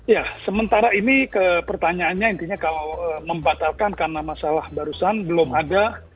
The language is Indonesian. ya sementara ini pertanyaannya intinya kalau membatalkan karena masalah barusan belum ada